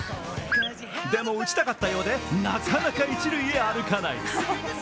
でも打ちたかったようでなかなか一塁へ歩かない。